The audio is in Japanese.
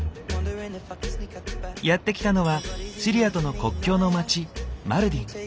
やって来たのはシリアとの国境の町マルディン。